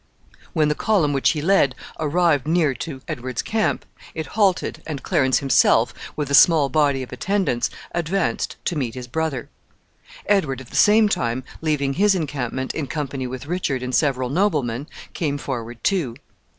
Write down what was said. When the column which he led arrived near to Edward's camp, it halted, and Clarence himself, with a small body of attendants, advanced to meet his brother; Edward, at the same time, leaving his encampment, in company with Richard and several noblemen, came forward too.